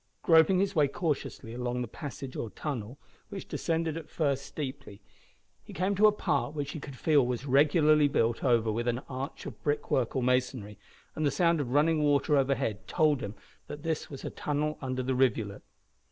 Groping his way cautiously along the passage or tunnel, which descended at first steeply, he came to a part which he could feel was regularly built over with an arch of brickwork or masonry, and the sound of running water overhead told him that this was a tunnel under the rivulet.